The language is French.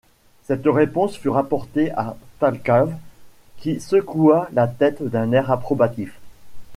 Cette réponse fut rapportée à Thalcave, qui secoua la tête d’un air approbatif.